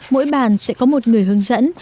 mỗi bàn sẽ có một người hướng dẫn